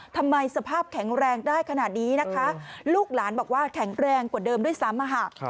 สภาพแข็งแรงได้ขนาดนี้นะคะลูกหลานบอกว่าแข็งแรงกว่าเดิมด้วยซ้ำ